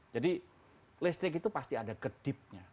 jadi listrik itu pasti ada gedipnya